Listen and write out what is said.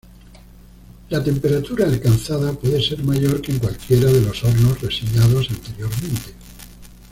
La temperatura alcanzada puede ser mayor que en cualquiera de los hornos reseñados anteriormente.